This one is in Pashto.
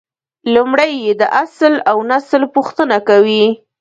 لومړی یې د اصل اونسل پوښتنه کوي.